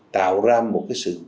tạo ra một cái sự